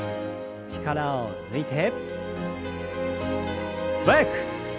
力を抜いて素早く。